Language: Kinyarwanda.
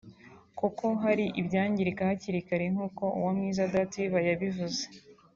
kuko hari ibyangirika hakiri kare nk’uko Uwamwiza Dative yabivuze